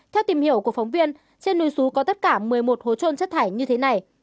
theo tìm hiểu của phóng viên trên núi xú có tất cả một mươi một hố trôn chất thải như thế này